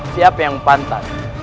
siapa yang pantas